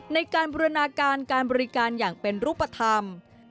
ในการบูรณาการการบริการอย่างเป็นรูปธรรม